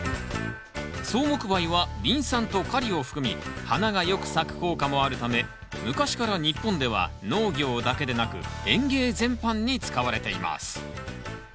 草木灰はリン酸とカリを含み花がよく咲く効果もあるため昔から日本では農業だけでなく園芸全般に使われています。